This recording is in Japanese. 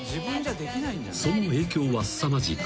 ［その影響はすさまじく］